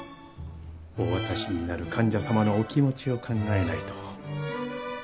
お渡しになる患者様のお気持ちを考えないと。